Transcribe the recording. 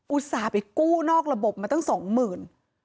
อุตส่าห์ไปกู้นอกระบบมาตั้งสองหมื่น